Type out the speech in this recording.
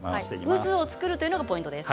渦を作るのがポイントです。